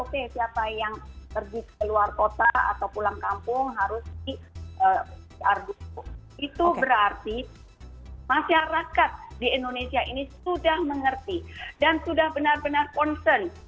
oke siapa yang pergi ke luar kota atau pulang kampung harus di pcr dulu itu berarti masyarakat di indonesia ini sudah mengerti dan sudah benar benar concern